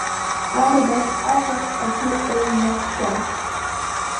Арбаӷь аҵх агәы еиҩнаххьан.